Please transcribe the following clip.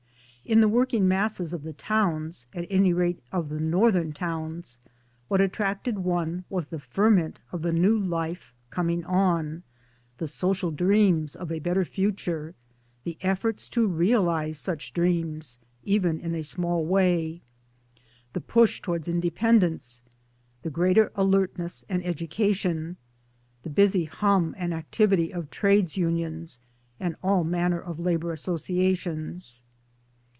In the working masses of the towns at any rate of the Northern towns what attracted one was the ferment of the New Life coming on : the social dreams of a better future ; thfe efforts to realize such dreams, even in a small way ; the push towards independence ; the greater alertness and education ; the busy hum and activity of Trades Unions and all manner of Labour Associations.